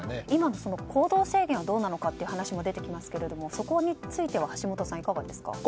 今の行動制限はどうなのかという話も出てきますが、そこについては橋下さん、いかがですか。